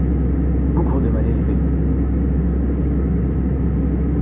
Bougre de mal élevé! lui cria Buteau.